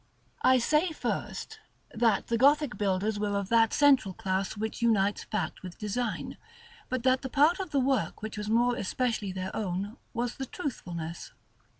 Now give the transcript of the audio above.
§ LXIV. I say first, that the Gothic builders were of that central class which unites fact with design; but that the part of the work which was more especially their own was the truthfulness.